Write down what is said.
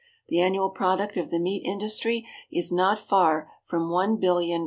The annual product of the meat industry is not far from $1,400,000,000.